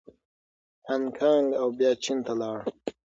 هانګکانګ او بیا چین ته لاړ.